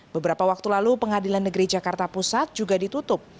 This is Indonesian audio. beberapa waktu lalu pengadilan negeri jakarta pusat juga ditutup